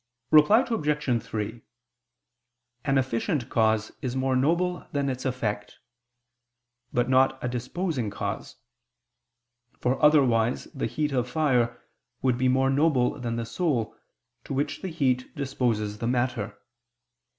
Reply Obj. 3: An efficient cause is more noble than its effect: but not a disposing cause. For otherwise the heat of fire would be more noble than the soul, to which the heat disposes the matter.